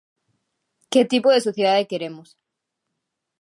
Que tipo de sociedade queremos?